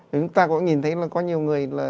chúng ta có nhìn thấy là có nhiều người